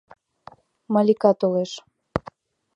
Малика толеш.